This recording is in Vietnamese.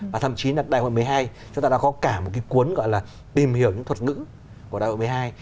và thậm chí là đại hội một mươi hai chúng ta đã có cả một cái cuốn gọi là tìm hiểu những thuật ngữ của đại hội một mươi hai